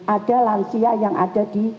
ada lansia yang ada di